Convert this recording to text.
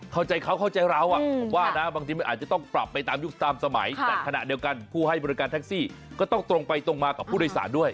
เข้าใจเขาเข้าใจเราผมว่านะบางทีมันอาจจะต้องปรับไปตามยุคตามสมัยแต่ขณะเดียวกันผู้ให้บริการแท็กซี่ก็ต้องตรงไปตรงมากับผู้โดยสารด้วย